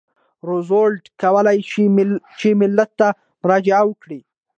روزولټ کولای شوای چې ملت ته مراجعه وکړي.